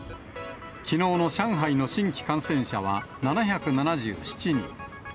きのうの上海の新規感染者は７７７人。